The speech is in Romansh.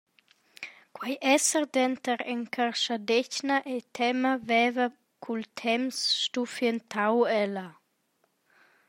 Quei esser denter encarschadetgna e tema veva cul temps stuffientau ella.